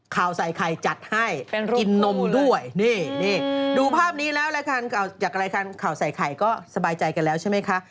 ข่าวใส่ไข่จัดให้กินนมด้วยนี่ดูภาพนี้แล้วรายการจากรายการข่าวใส่ไข่ก็สบายใจกันแล้วใช่ไหมคะ